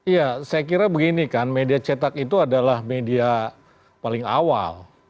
ya saya kira begini kan media cetak itu adalah media paling awal